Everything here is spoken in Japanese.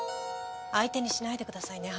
相手にしないでくださいね